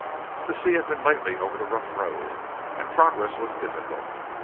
The sea had been lately over the rough road, and progress was difficult.